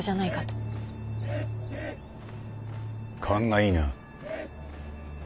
勘がいいな。